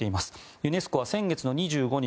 ユネスコは先月２５日